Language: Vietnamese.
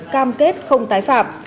cam kết không tái phạm